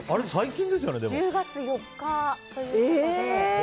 １０月４日ということで。